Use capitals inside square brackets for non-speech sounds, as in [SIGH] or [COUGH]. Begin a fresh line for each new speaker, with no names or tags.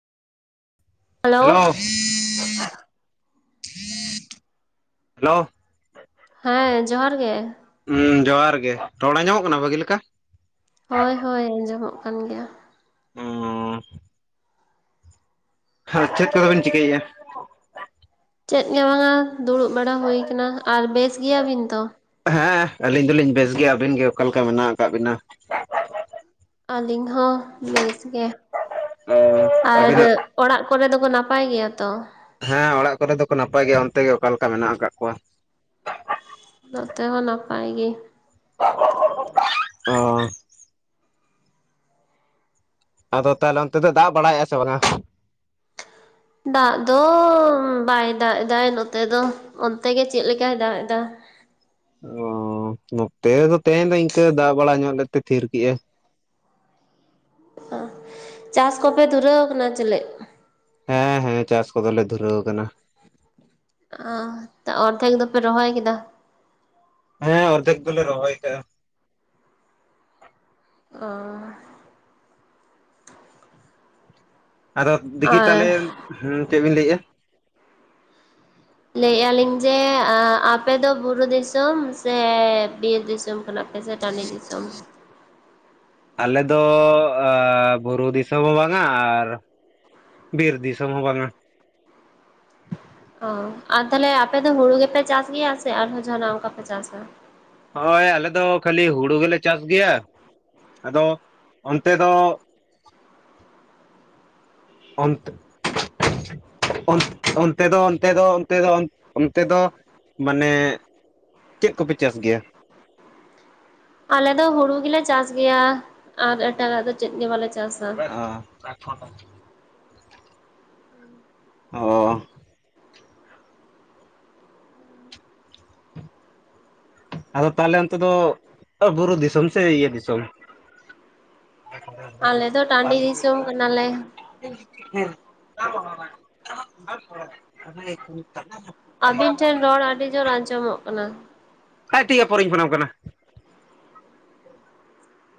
Hello hello.
ᱦᱮᱸ ᱡᱚᱦᱟᱨ ᱜᱮ᱾
ᱦᱩᱸ ᱡᱚᱦᱟᱨ ᱜᱮ, ᱨᱚᱲ ᱟᱡᱚᱢᱚᱜ ᱠᱟᱱᱟ ᱵᱷᱟᱹᱜᱤ ᱞᱮᱠᱟ?
ᱦᱳᱭ ᱦᱳᱭ ᱟᱸᱡᱚᱢᱚᱜ ᱠᱟᱱ ᱜᱮᱭᱟ᱾
ᱚᱸᱻ ᱦᱟᱸ ᱪᱮᱫ ᱠᱚᱫᱚ ᱵᱮᱱ ᱪᱤᱠᱟᱹᱭᱮᱜᱟ?
ᱪᱮᱫ ᱜᱮ ᱵᱟᱝ ᱟ ᱫᱩᱲᱩᱵ ᱵᱟᱲᱟ ᱦᱩᱭ ᱠᱟᱱᱟ ᱟᱨ ᱵᱮᱥ ᱜᱮᱭᱟᱵᱤᱱ ᱛᱚ?
ᱦᱮᱸ ᱟᱹᱞᱤᱧ ᱫᱚᱞᱤᱧ ᱵᱮᱥ ᱜᱮᱭᱟ ᱟᱹᱵᱤᱱ ᱜᱮ ᱚᱠᱟᱞᱮᱠᱟ ᱢᱮᱱᱟᱜ ᱟᱠᱟᱫ ᱵᱤᱱᱟ?
ᱟᱹᱞᱤᱧ ᱦᱚᱸ ᱵᱮᱥ ᱜᱮ᱾
[UNINTELLIGIBLE]
ᱟᱨ ᱚᱲᱟᱜ ᱠᱚᱨᱮ ᱫᱚᱠᱚ ᱱᱟᱯᱟᱭ ᱜᱮᱭᱟ ᱛᱚ?
ᱦᱮᱸ ᱚᱲᱟᱜ ᱠᱚᱨᱮ ᱫᱚᱠᱚ ᱱᱟᱯᱟᱭ ᱜᱮᱭᱟ ᱚᱱᱛᱮ ᱜᱮ ᱚᱠᱟᱞᱮᱠᱟ ᱢᱮᱱᱟᱜ ᱟᱠᱟᱫ ᱠᱚᱣᱟ?
ᱱᱚᱛᱮ ᱦᱚᱸ ᱱᱟᱯᱟᱭ ᱜᱮ
ᱚᱻ ᱟᱫᱚ ᱛᱟᱦᱞᱮ ᱚᱱᱛᱮ ᱫᱚ ᱫᱟᱜ ᱵᱟᱲᱟᱭᱮᱜᱼᱟ ᱥᱮ ᱵᱟᱝᱼᱟ?
ᱫᱟᱜ ᱫᱚ ᱵᱟᱭ ᱫᱟᱜ ᱮᱫᱟ ᱱᱚᱛᱮ ᱫᱚ ᱚᱱᱛᱮ ᱜᱮ ᱪᱮᱫ ᱞᱮᱠᱟᱭ ᱫᱟᱜ ᱮᱫᱟ?
ᱚ ᱱᱚᱛᱮ ᱨᱮ ᱫᱚ ᱛᱮᱦᱮᱹᱧ ᱫᱚ ᱤᱱᱠᱟᱹ ᱫᱟᱜ ᱵᱟᱲᱟ ᱧᱚᱜ ᱞᱮᱫᱛᱮ ᱛᱷᱤᱨ ᱠᱮᱜᱼᱟ᱾
ᱪᱟᱥ ᱠᱚᱯᱮ ᱫᱩᱨᱟᱹᱣ ᱟᱠᱟᱱᱟ ᱪᱮᱞᱮ?
ᱦᱮᱸ ᱦᱮᱸ ᱪᱟᱥ ᱠᱚᱫᱚᱞᱮ ᱫᱷᱩᱨᱟᱹᱣ ᱟᱠᱟᱱᱟ᱾
ᱟ ᱚᱨᱫᱷᱮᱠ ᱫᱚᱯᱮ ᱨᱚᱦᱚᱭ ᱠᱮᱫᱟ?
ᱦᱮᱸ ᱚᱨᱫᱮᱠ ᱫᱚᱞᱮ ᱨᱚᱦᱚᱭ ᱠᱟᱜᱼᱟ᱾
ᱚᱻ
ᱟᱫᱚ ᱫᱤᱠᱷᱤ
ᱟᱨ
ᱛᱟᱞᱦᱮ ᱪᱮᱫ ᱵᱤᱱ ᱞᱟᱹᱭᱮᱜᱼᱟ?
ᱞᱟᱹᱭᱮᱜᱼᱟ ᱞᱤᱧ ᱡᱮ ᱟᱯᱮᱫᱚ ᱵᱩᱨᱩ ᱫᱤᱥᱚᱢ ᱥᱮ ᱵᱤᱨ ᱫᱤᱥᱚᱢ ᱠᱷᱚᱼᱼ ᱥᱮ ᱴᱟᱸᱱᱰᱤ ᱫᱤᱥᱚᱢ?
ᱟᱞᱮ ᱫᱚ ᱵᱩᱨᱩ ᱫᱤᱥᱚᱢ ᱦᱚᱸ ᱵᱟᱝᱼᱟ ᱟᱨᱼᱼ ᱵᱤᱨ ᱫᱤᱥᱚᱢ ᱦᱚᱸ ᱵᱟᱝᱼᱟ
ᱚ ᱟᱨ ᱛᱟᱦᱞᱮ ᱟᱯᱮ ᱫᱚ ᱦᱩᱲᱩ ᱜᱮᱯᱮ ᱪᱟᱥ ᱜᱮᱭᱟ ᱥᱮ ᱟᱨᱦᱚᱸ ᱡᱟᱱᱟᱜ ᱚᱱᱠᱟ ᱯᱮ ᱪᱟᱥᱟ?
ᱦᱚᱭ ᱟᱞᱮ ᱫᱚ ᱠᱷᱟᱹᱞᱤ ᱦᱩᱲᱩ ᱜᱮᱞᱮ ᱪᱟᱥ ᱜᱮᱭᱟ ᱟᱫᱚ ᱚᱱᱛᱮ ᱫᱚᱼᱼ ᱚᱱᱛᱼᱼ ᱚᱱ ᱚᱱᱛᱮ ᱫᱚ ᱚᱱᱛᱮ ᱫᱚ ᱚᱱᱛᱮ ᱫᱚ ᱚᱱ ᱚᱱᱛᱮ ᱫᱚᱼᱼ ᱢᱟᱱᱮ ᱪᱮᱫ ᱠᱚᱯᱮ ᱪᱟᱥ ᱜᱮᱭᱟ?
ᱟᱞᱮ ᱫᱚ ᱦᱩᱲᱩ ᱜᱮᱞᱮ ᱪᱟᱥ ᱜᱮᱭᱟ ᱟᱨ ᱮᱴᱟᱜᱟᱜ ᱫᱚ ᱪᱮᱫ ᱜᱮ ᱵᱟᱞᱮ ᱪᱟᱥᱟ᱾
[UNINTELLIGIBLE] ᱚᱸᱻ ᱟᱫᱚ ᱛᱟᱦᱞᱮ ᱚᱱᱛᱮ ᱫᱚ ᱵᱩᱨᱩ ᱫᱤᱥᱚᱢ ᱥᱮ ᱤᱭᱟᱹ ᱫᱤᱥᱚᱢ?
ᱟᱞᱮ ᱫᱚ ᱴᱟᱹᱰᱤ
ᱦᱮᱸ
ᱫᱤᱥᱚᱢ ᱠᱟᱱᱟᱞᱮ᱾
[UNINTELLIGIBLE]
ᱟᱵᱤᱱ ᱴᱷᱮᱱ ᱨᱚᱲ ᱟᱹᱰᱤ ᱡᱳᱨ ᱟᱸᱡᱚᱢᱚᱜ ᱠᱟᱱᱟ᱾
ᱦᱮᱸ ᱴᱷᱤᱠ ᱜᱮᱭᱟ ᱯᱚᱨᱮᱧ ᱯᱷᱳᱱ ᱟᱢ ᱠᱟᱱᱟ᱾